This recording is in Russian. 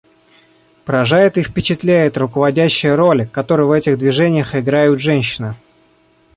Поражает и впечатляет руководящая роль, которую в этих движениях играют женщины.